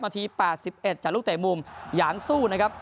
นาทีแปดสิบเอ็ดจากลูกเตะมุมหย่างสู้นะครับ